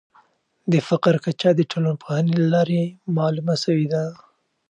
د فقر کچه د ټولنپوهني له لارې معلومه سوې ده.